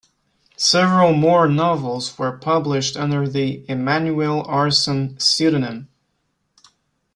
Several more novels were published under the Emmanuelle Arsan pseudonym.